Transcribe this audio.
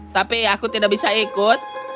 tapi aku tidak bisa ikut